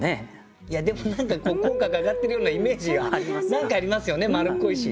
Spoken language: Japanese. いやでも何か口角上がってるようなイメージが何かありますよね丸っこいし。